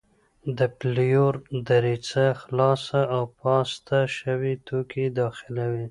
د پلیور دریڅه خلاصه او پاسته شوي توکي داخلوي.